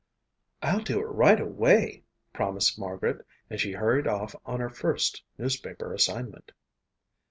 "I'll do it right away," promised Margaret and she hurried off on her first newspaper assignment.